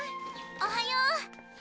おはよう！